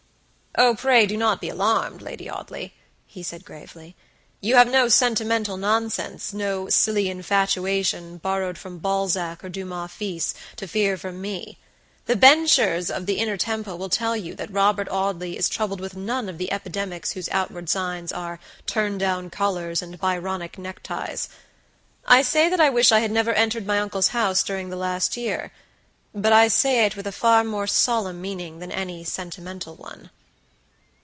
"Oh, pray do not be alarmed, Lady Audley," he said, gravely. "You have no sentimental nonsense, no silly infatuation, borrowed from Balzac or Dumas fils, to fear from me. The benchers of the Inner Temple will tell you that Robert Audley is troubled with none of the epidemics whose outward signs are turn down collars and Byronic neckties. I say that I wish I had never entered my uncle's house during the last year; but I say it with a far more solemn meaning than any sentimental one."